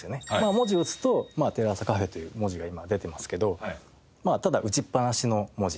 文字を打つと「テレ朝Ｃａｆｅ」という文字が今出てますけどただ打ちっぱなしの文字